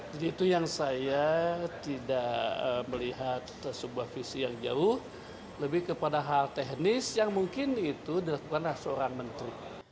jadi itu yang saya tidak melihat sebuah visi yang jauh lebih kepada hal teknis yang mungkin itu dilakukan oleh seorang menteri